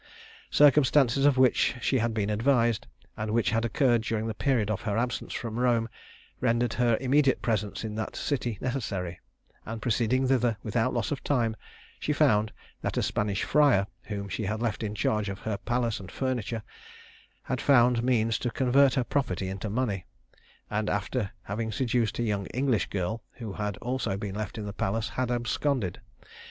Circumstances of which she had been advised, and which had occurred during the period of her absence from Rome, rendered her immediate presence in that city necessary, and proceeding thither, without loss of time, she found that a Spanish friar, whom she had left in charge of her palace and furniture, had found means to convert her property into money, and after having seduced a young English girl, who had also been left in the palace, had absconded.